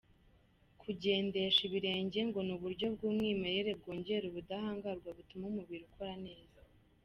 Kugendesha ibirenge ngo ni uburyo bw’umwimerere bwongera ubudahangarwa butuma umubiri ukora neza.